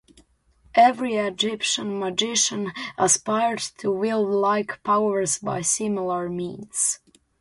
Every Egyptian magician aspired to wield like powers by similar means.